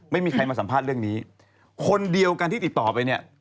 ไม่มีใครมาสัมภาษณ์เรื่องนี้คนเดียวกันที่ติดต่อไปเนี่ย